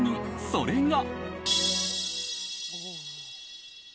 それが。